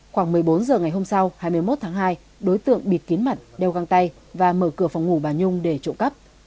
khoảng một mươi bốn h ngày hôm sau hai mươi một tháng hai đối tượng bịt kín mặt đeo găng tay và mở cửa phòng ngủ bà nhung để trộm cắp